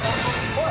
おい！